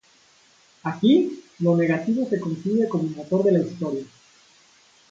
Aquí, "lo negativo" se concibe como motor de la historia.